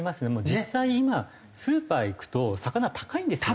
実際今スーパー行くと魚高いんですよね。